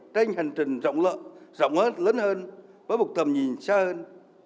trên hành trình rộng lớn rộng hơn lớn hơn với một tầm nhìn xa hơn